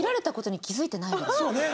そうね。